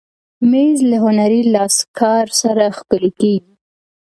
مېز له هنري لاسکار سره ښکلی کېږي.